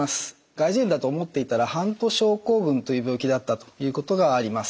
外耳炎だと思っていたらハント症候群という病気であったということがあります。